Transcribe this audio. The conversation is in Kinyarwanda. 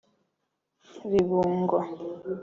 Bibungo